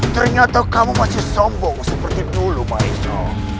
ternyata kamu masih sombong seperti dulu maesno